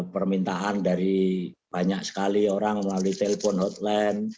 permintaan dari banyak sekali orang melalui telepon hotline